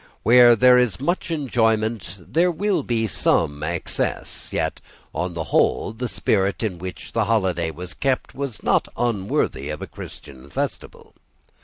Where there is much enjoyment there will be some excess: yet, on the whole, the spirit in which the holiday was kept was not unworthy of a Christian festival.